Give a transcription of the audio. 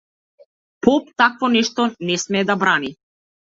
Поп такво нешто не смее да брани!